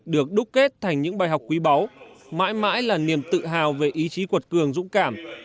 được đúc kết thành những bài học quý báu mãi mãi là niềm tự hào về ý chí quật cường dũng cảm